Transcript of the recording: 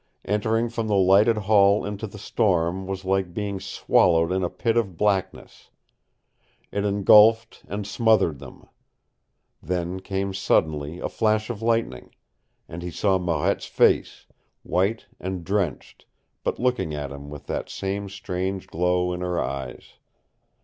Entering from the lighted hall into the storm was like being swallowed in a pit of blackness. It engulfed and smothered them. Then came suddenly a flash of lightning, and he saw Marette's face, white and drenched, but looking at him with that same strange glow in her eyes.